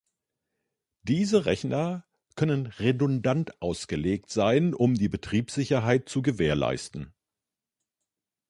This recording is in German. Diese Rechner können redundant ausgelegt sein, um die Betriebssicherheit zu gewährleisten.